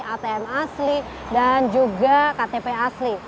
atm asli dan juga ktp asli